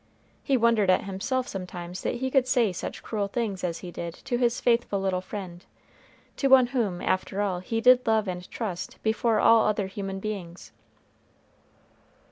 He wondered at himself sometimes that he could say such cruel things as he did to his faithful little friend to one whom, after all, he did love and trust before all other human beings.